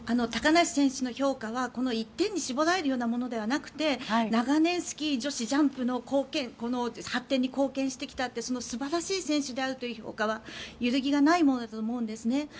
高梨選手の評価はこの１点に絞られるようなものではなくて長年、スキー女子ジャンプの発展に貢献してきたというその素晴らしい選手であるという評価は揺るぎがないものだと思うんですね。